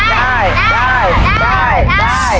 ได้